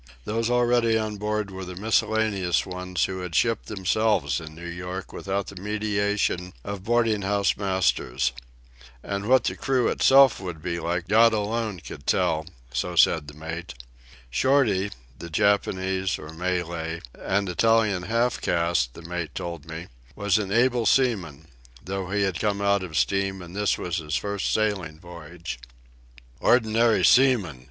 Those already on board were the miscellaneous ones who had shipped themselves in New York without the mediation of boarding house masters. And what the crew itself would be like God alone could tell—so said the mate. Shorty, the Japanese (or Malay) and Italian half caste, the mate told me, was an able seaman, though he had come out of steam and this was his first sailing voyage. "Ordinary seamen!"